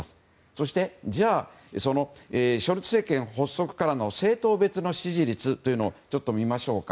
そして、ショルツ政権発足からの政党別の支持率というのを見ましょうか。